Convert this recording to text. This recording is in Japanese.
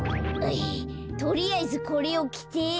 とりあえずこれをきて。